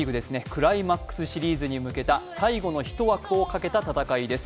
クライマックスシリーズに向けた最後の１枠をかけた戦いです。